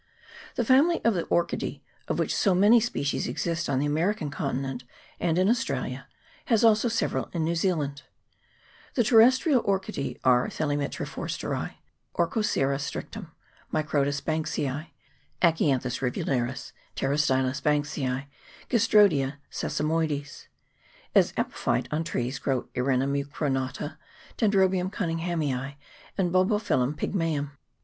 The family of the Orchidea, of which so many species exist on the American continent and in Australia, has also several on New Zealand. The terrestrial Orchidece are Thelymitra Forsteri, Orthoceras strictum, Microtis Banksii, Acianthus rivularis, Pterostylis Banksii, Gastrodia sesa 426 THE BOTANY OF [PART II. moides. As epiphytce on trees grow Earina mucronata, Dendrobium Cunninghamii, and Bolbophyllum pygmseum.